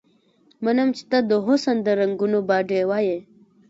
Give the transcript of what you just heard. منم چې ته د حسن د رنګونو باډيوه يې